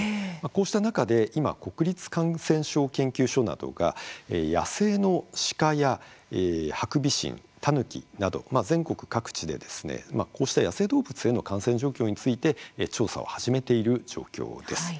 こうした中で今、国立感染症研究所などが野生の鹿やハクビシンたぬきなど全国各地でこうした野生動物への感染状況について調査を始めている状況です。